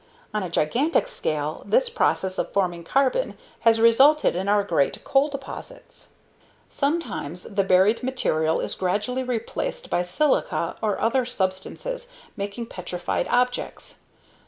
On a gigantic scale, this process of forming carbon has resulted in our great coal deposits. Sometimes the buried material is gradually replaced by silica or other substances, making petrified objects.